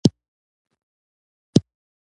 مچان د تنفس مزاحمت کوي